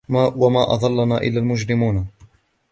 وَمَا أَضَلَّنَا إِلَّا الْمُجْرِمُونَ